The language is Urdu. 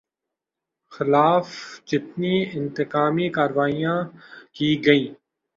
خلاف جتنی انتقامی کارروائیاں کی گئیں